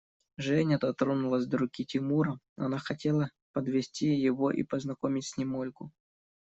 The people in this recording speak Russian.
Женя дотронулась до руки Тимура: она хотела подвести его и познакомить с ним Ольгу.